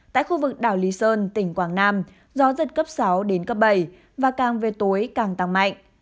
tại khu vực đảo lý sơn tỉnh quảng nam gió giật cấp sáu đến cấp bảy và càng về tối càng tăng mạnh